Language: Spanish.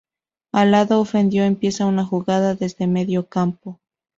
El lado ofendido empieza una jugada desde medio campo.